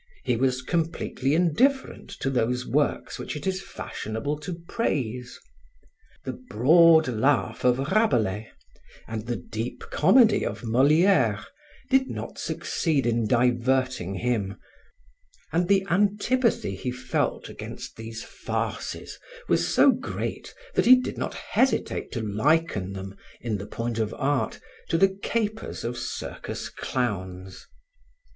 He was completely indifferent to those works which it is fashionable to praise. "The broad laugh of Rabelais," and "the deep comedy of Moliere," did not succeed in diverting him, and the antipathy he felt against these farces was so great that he did not hesitate to liken them, in the point of art, to the capers of circus clowns.